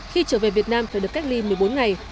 khi trở về việt nam phải được cách ly một mươi bốn ngày